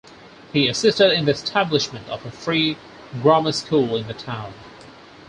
He assisted in the establishment of a free grammar school in the town.